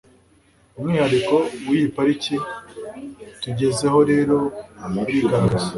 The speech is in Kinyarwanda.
Umwihariko w'iyi pariki tugezeho rero urigaragaza